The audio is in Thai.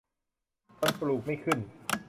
มันปลูกไม่ขึ้น !